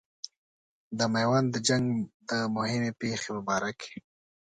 د میوند د جنګ د مهمې پیښې په باره کې.